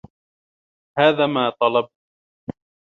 هَذَا مَا طَلَبْت